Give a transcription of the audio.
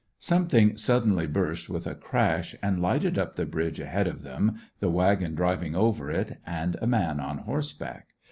Something suddenly burst with a crash and lighted up the bridge ahead of them, the wagon driving over it, and a man on horseback.